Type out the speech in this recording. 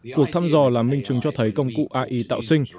cuộc thăm dò là minh chứng cho thấy công cụ ai tạo sinh